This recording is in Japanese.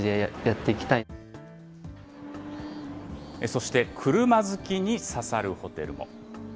そして、車好きにささるホテルも。